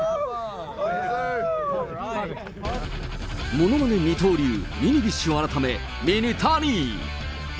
ものまね二刀流、ミニビッシュ改めミニタニ。